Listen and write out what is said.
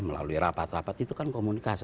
melalui rapat rapat itu kan komunikasi